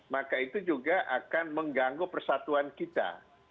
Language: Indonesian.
maka itu juga akan mengganggu persatuan kita